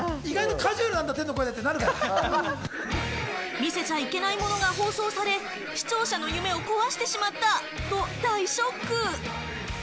見せちゃいけないものが放送され、視聴者の夢を壊してしまったと大ショック！